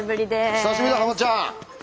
久しぶりだハマちゃん。